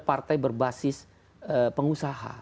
partai berbasis pengusaha